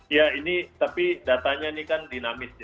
ya ini tapi datanya ini kan dinamis